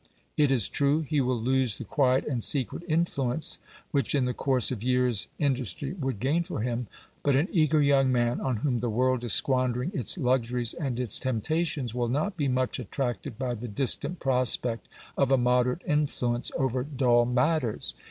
It is true he will lose the quiet and secret influence which in the course of years industry would gain for him; but an eager young man, on whom the world is squandering its luxuries and its temptations, will not be much attracted by the distant prospect of a moderate influence over dull matters.